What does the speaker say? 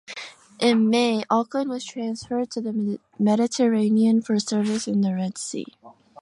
In May "Auckland" was transferred to the Mediterranean for service in the Red Sea.